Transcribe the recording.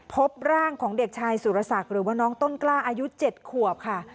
พบร่างของเด็กชายสุรศักดิ์หรือว่าน้องต้นกล้าอายุ๗ขวบค่ะ